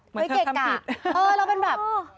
เหมือนเครื่องข้ำพิทย์เก๋ก่ะ